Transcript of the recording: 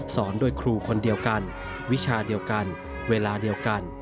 สอนโดยครูคนเดียวกันวิชาเดียวกันเวลาเดียวกัน